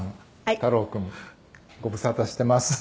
太郎君ご無沙汰してます」